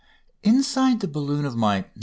Inside the balloon of my "No.